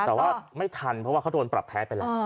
แต่ว่าไม่ทันเพราะว่าเขาโดนปรับแพ้ไปแล้ว